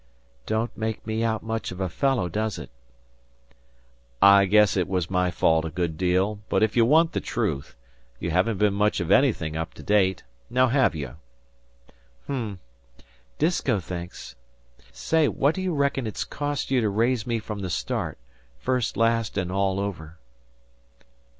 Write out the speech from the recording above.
"Don't make me out much of a fellow, does it?" "I guess it was my fault a good deal; but if you want the truth, you haven't been much of anything up to date. Now, have you?" "Umm! Disko thinks ... Say, what d'you reckon it's cost you to raise me from the start first, last and all over?"